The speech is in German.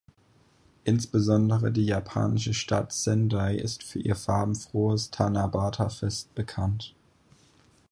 Insbesondere die japanische Stadt Sendai ist für ihr farbenfrohes Tanabata-Fest bekannt.